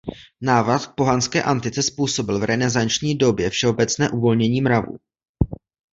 Návrat k pohanské antice způsobil v renesanční době všeobecné uvolnění mravů.